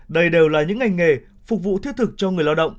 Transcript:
đây đều là những ngành nghề phục vụ thiết thực cho người lao động